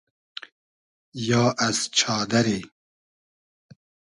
یا از چادئری